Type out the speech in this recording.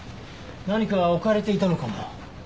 何か置かれていたのかも。